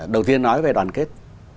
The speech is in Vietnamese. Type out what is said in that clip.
đầu tiên nói về đoàn kết